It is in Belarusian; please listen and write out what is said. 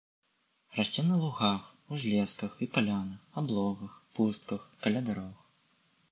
Расце на лугах, узлесках і палянах, аблогах, пустках, каля дарог.